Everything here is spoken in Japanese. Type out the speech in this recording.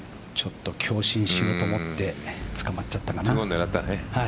強振しようと思ってつかまっちゃったかな。